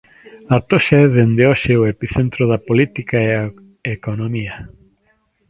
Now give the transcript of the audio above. A Toxa é dende hoxe o epicentro da política e a economía.